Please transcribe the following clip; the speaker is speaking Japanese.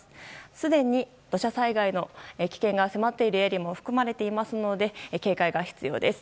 すでに土砂災害の危険が迫っているエリアも含まれていますので警戒が必要です。